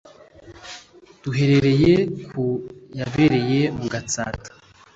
Duhereye ku yabereye mu Gatsata